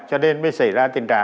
cho nên mới xảy ra